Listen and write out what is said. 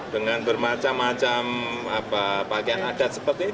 dengan bermacam macam pakaian adat seperti ini